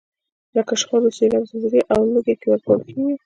لکه شخړو، سیلاب، زلزلې او ولږې کې ورکول کیږي.